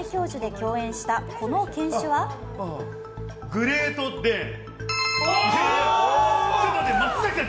グレート・デン。